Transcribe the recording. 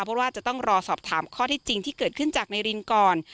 เพราะว่าจะต้องรอสอบถามข้อที่จริงที่เกิดขึ้นจากนายรินก่อน